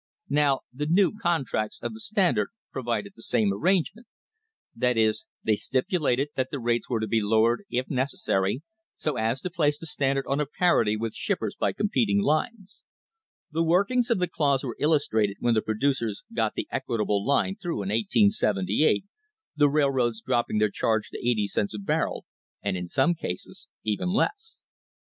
Now, the new contracts of the Standard provided the same arrangement; that is, they stipulated that the rates were to be lowered if necessary so as to place the Standard on a parity with shippers by competing lines. The workings of the clause were illustrated when the producers got the Equitable Line through in 1878, the rail roads dropping their charge to eighty cents a barrel, and in some cases even less.